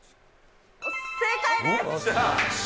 正解です。